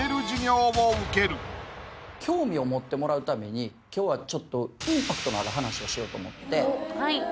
興味を持ってもらうために今日はちょっとインパクトのある話をしようと思っておっはい